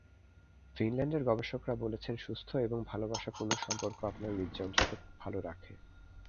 ফিনল্যান্ডের গবেষকেরা বলছেন, সুস্থ এবং ভালোবাসাপূর্ণ সম্পর্ক আপনার হূৎযন্ত্রকে ভালো রাখে।